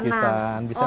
bisa main musik juga